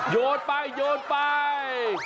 โยดไปไป